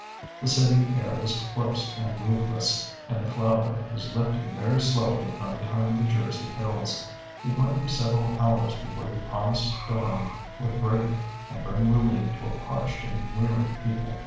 The city air was close and moveless, and the cloud bank was lifting very slowly from behind the Jersey hills; it might be several hours before the promised storm would break and bring relief to a parched and weary people.